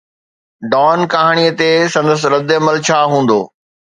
Don ڪهاڻي تي سندس ردعمل ڇا هوندو؟